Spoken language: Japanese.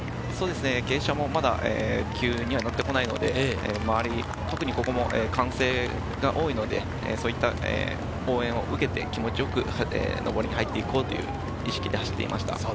傾斜も急にはなってこないので、ここも歓声が多いので応援を受けて気持ちよく上りに入って行こうという意識で走っていました。